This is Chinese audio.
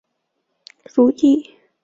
如意草为堇菜科堇菜属的植物。